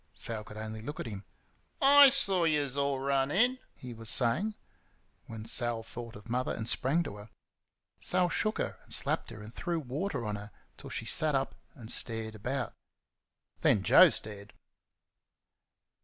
Sal could only look at him. "I saw yuz all run in," he was saying, when Sal thought of Mother, and sprang to her. Sal shook her, and slapped her, and threw water on her till she sat up and stared about. Then Joe stared.